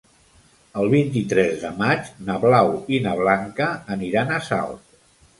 El vint-i-tres de maig na Blau i na Blanca aniran a Salt.